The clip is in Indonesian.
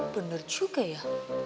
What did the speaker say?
bener juga ya